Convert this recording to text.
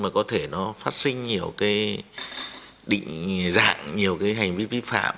có thể phát sinh nhiều định dạng nhiều hành vi vi phạm